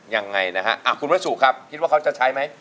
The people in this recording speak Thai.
ยังไงนะฮะคุณวัสสุครับคิดว่าเขาจะใช้ไหม